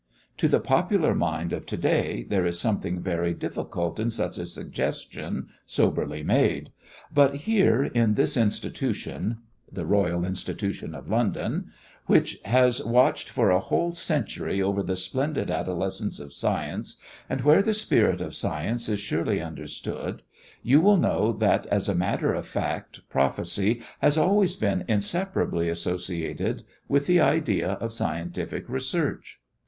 To the popular mind of to day there is something very difficult in such a suggestion, soberly made. But here, in this institution (the Royal Institution of London) which has watched for a whole century over the splendid adolescence of science, and where the spirit of science is surely understood, you will know that as a matter of fact prophecy has always been inseparably associated with the idea of scientific research.